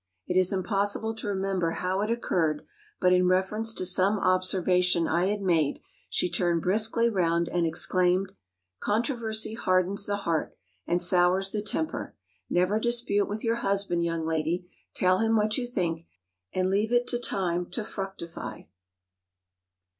It is impossible to remember how it occurred, but in reference to some observation I had made she turned briskly round and exclaimed, 'Controversy hardens the heart, and sours the temper: never dispute with your husband, young lady; tell him what you think, and leave it to time to fructify.